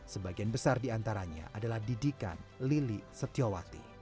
sebagian besar diantaranya adalah didikan lili setiawati